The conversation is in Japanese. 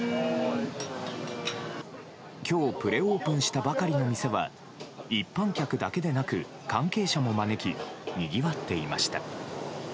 今日プレオープンしたばかりの店は一般客だけでなく関係者も招きにぎわっていました。